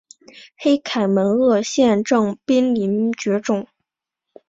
黑凯门鳄现正濒临绝种。